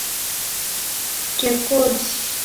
huu usha utajitokeza ambalo anatoka mle ndani